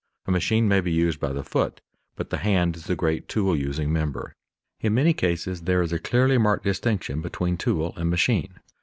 A machine may be used by the foot, but the hand is the great tool using member. In many cases there is a clearly marked distinction between tool and machine.